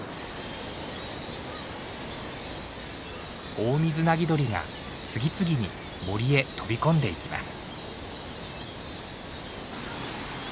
オオミズナギドリが次々に森へ飛び込んでいきます。